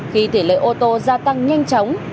khi thể lợi ô tô gia tăng nhanh chóng